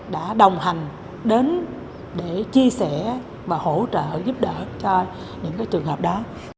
đã đồng hành đến để chia sẻ và hỗ trợ giúp đỡ cho những trường hợp đó